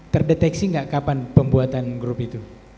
terdeteksi nggak kapan pembuatan grup itu